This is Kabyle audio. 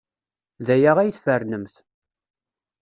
D aya ay tfernemt.